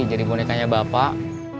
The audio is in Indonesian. jadi bonekanya bapak